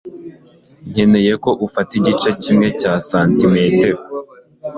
Nkeneye ko ufata igice kimwe cya santimetero